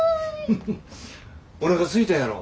フフおなかすいたやろ。